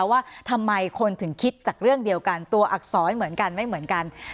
ว่าทำไมคนถึงคิดจากเรื่องเดียวกันตัวอักษรเหมือนกันไม่เหมือนกัน